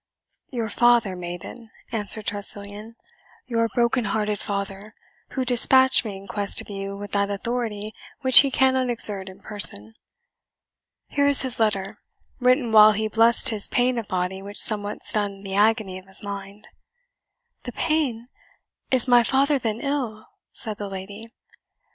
"Your father, maiden," answered Tressilian, "your broken hearted father, who dispatched me in quest of you with that authority which he cannot exert in person. Here is his letter, written while he blessed his pain of body which somewhat stunned the agony of his mind." "The pain! Is my father then ill?" said the lady.